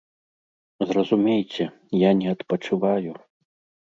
Зразумейце, я не адпачываю.